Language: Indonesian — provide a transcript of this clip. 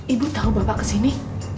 ibu tahu bapak ke sini